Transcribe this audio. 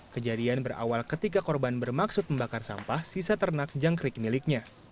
kejadian berawal ketika korban bermaksud membakar sampah sisa ternak jangkrik miliknya